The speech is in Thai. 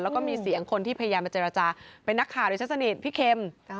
แล้วก็มีเสียงคนที่พยายามมาเจรจาเป็นนักข่าวโดยฉันสนิทพี่เค็ม